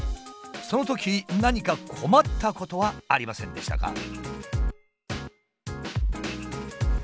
そのとき何か困ったことはありませんでしたか？